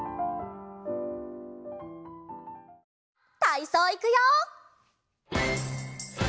たいそういくよ！